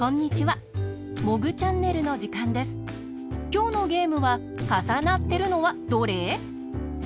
きょうのゲームは「かさなってるのはどれ？」。